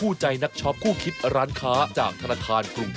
สวัสดีครับ